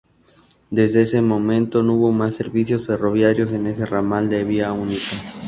Desde ese momento no hubo más servicios ferroviarios en este ramal de vía única.